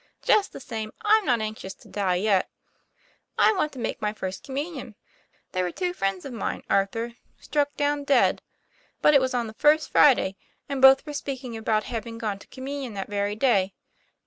Just the same, I'm not anxious to die yet. I want to make my First Communion. There were two friends of mine, Arthur, struck down dead; but it was on the First Friday and both were speaking about having gone to Communion that very day.